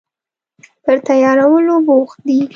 پر تیارولو بوخت دي